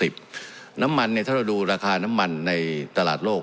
น้ำมันถ้าเราดูราคาน้ำมันในตลาดโลก